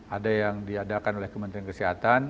ada yang diadakan oleh kementerian kesehatan